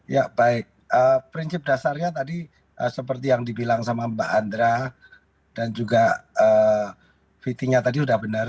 ya baik prinsip dasarnya tadi seperti yang dibilang sama mbak andra dan juga vt nya tadi sudah benar